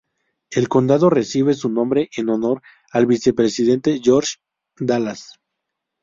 El condado recibe su nombre en honor al Vicepresidente George M. Dallas.